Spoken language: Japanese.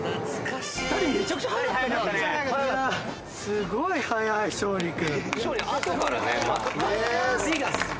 すごい速い勝利君。